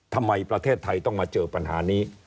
ประเทศไทยต้องมาเจอปัญหานี้